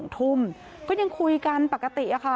เขายังคุยกันปกติ